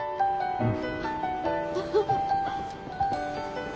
うん。